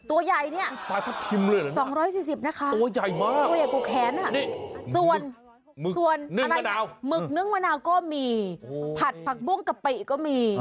ตัวใหญ่นี่ตัวใหญ่ขูแค้นส่วนมึกเนื่องมะนาวก็มีผัดผักบุ้งกะปิก็มี